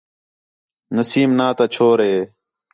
نسیم ناں نتا چھور ہِے